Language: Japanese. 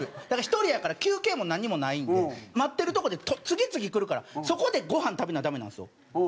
だから１人やから休憩もなんにもないんで待ってるとこで次々来るからそこでごはん食べなダメなんですよ。